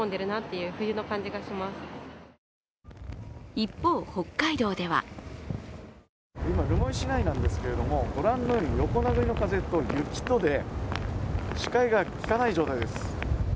一方、北海道では今、留萌市内なんですけれどもご覧のように横殴りの風と雪とで視界がきかない状態です。